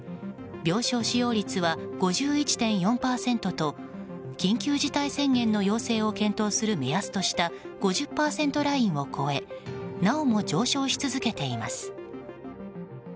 病床使用率は５１．４％と緊急事態宣言の要請を検討する目安とした５０％ラインを超えなおも上昇し続けています。